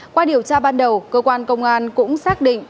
qua điều tra ban đầu cơ quan công an cũng xác định